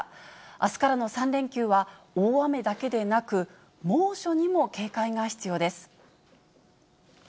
あすからの３連休は、大雨だけでなく、猛暑にも警戒が必要です。